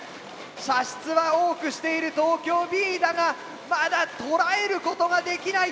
射出は多くしている東京Ｂだがまだ捉えることができない。